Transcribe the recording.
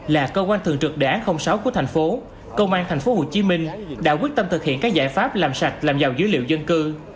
là cơ quan thường trực đảng sáu của thành phố công an thành phố hồ chí minh đã quyết tâm thực hiện các giải pháp làm sạch làm giàu dữ liệu dân cư